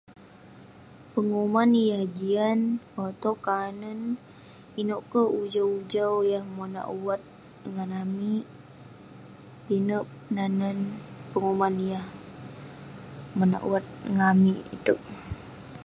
Penguman yah jian, otoq kanen, ineuk kek ujau-ujau yah monah uwat ngan amik. Pinek nan nen penguman yah monak uwat ngan amik iteuk.